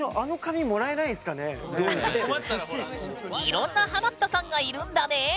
いろんなハマったさんがいるんだね。